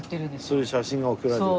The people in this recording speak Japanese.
そういう写真が送られてくる？